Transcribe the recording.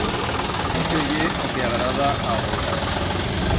Ixo ye o que agrada agora.